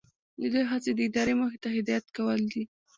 د دوی هڅې د ادارې موخې ته هدایت کول دي.